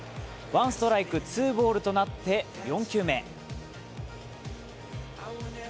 ワンストライク・ツーボールとなって４球目。